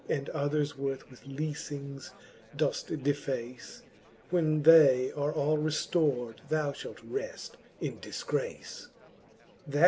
And others worth with leafings doeft deface, When they are all reftor'd, thou fhalt reft in difgrace.